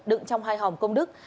đựng trong hai hòm công đức